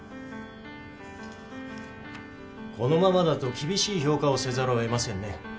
このままだと厳しい評価をせざるを得ませんね。